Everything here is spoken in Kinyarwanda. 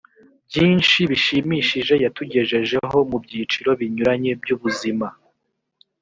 byinshi bishimishije yatugejejeho mu byiciro binyuranye by ubuzima